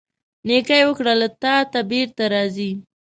نیکۍ وکړه، له تا ته بیرته راځي.